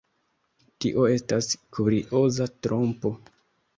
Tio estas kurioza trompo.